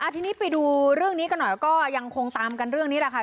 ทีนี้ไปดูเรื่องนี้กันหน่อยก็ยังคงตามกันเรื่องนี้แหละค่ะ